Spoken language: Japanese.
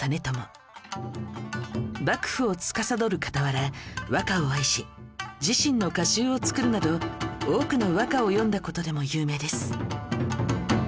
幕府をつかさどる傍ら和歌を愛し自身の歌集を作るなど多くの和歌を詠んだ事でも有名です